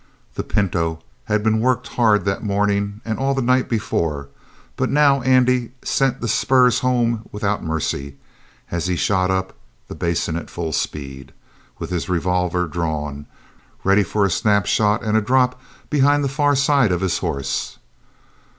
The pinto had been worked hard that morning and all the night before, but now Andy sent the spurs home without mercy as he shot up the basin at full speed, with his revolver drawn, ready for a snap shot and a drop behind the far side of his horse.